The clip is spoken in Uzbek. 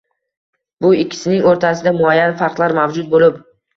– bu ikkisining o‘rtasida muayyan farqlar mavjud bo‘lib